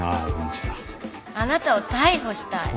あなたを逮捕したい。